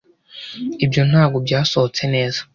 ibyo ntabwo byasohotse neza